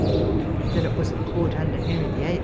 than it was at Court under Henry VIII.